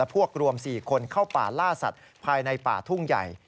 พวกรวม๔คนเข้าป่าล่าสัตว์ภายในป่าทุ่งใหญ่